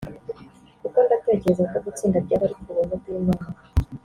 kuko ndatekereza ko gutsinda byaba ari ku buntu bw’Imana